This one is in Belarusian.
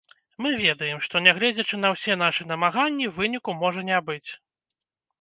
Мы ведаем, што, нягледзячы на ўсе нашы намаганні, выніку можа не быць.